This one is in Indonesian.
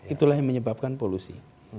itulah yang menyebabkan polusi